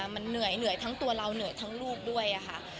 มันเหนื่อยทั้งตัวเราเหนื่อยทั้งลูกด้วยค่ะ